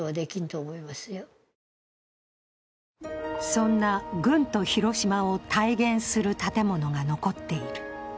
そんな軍都・広島を体現する建物が残っている。